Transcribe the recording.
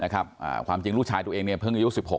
นะครับความจริงลูกชายตัวเองเนี่ยเพิ่งอายุสิบหก